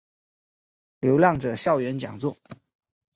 流浪者校园讲座